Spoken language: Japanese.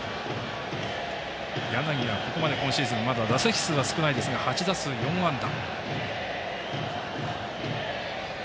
柳はここまで今シーズン打席数は少ないですが８打数４安打。